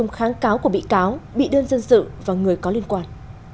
kháng cáo của bị cáo bị đơn dân sự và người có liên quan